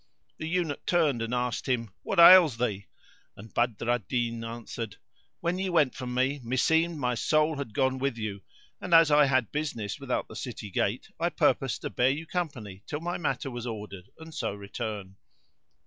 The Eunuch turned and asked him, "What ails the?"; and Badr al Din answered, "When ye went from me, meseemed my soul had gone with you; and, as I had business without the city gate, I purposed to bear you company till my matter was ordered and so return."